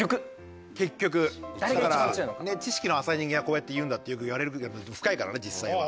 だから知識の浅い人間はこうやって言うんだってよく言われる深いからね実際は。